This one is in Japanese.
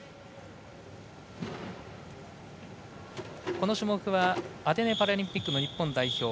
この種目はアテネパラリンピック日本代表